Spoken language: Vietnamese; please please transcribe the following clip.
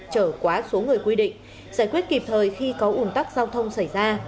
trở quá số người quy định giải quyết kịp thời khi có ủn tắc giao thông xảy ra